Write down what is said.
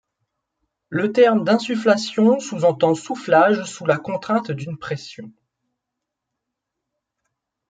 Le terme d'insufflation sous-entend soufflage sous la contrainte d'une pression.